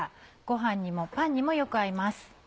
ご飯にもパンにもよく合います。